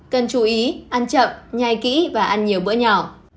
cần chú ý ăn chậm nhai kỹ và ăn nhiều bữa nhỏ